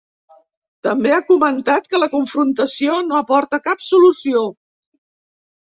També ha comentat que la confrontació no aporta cap solució.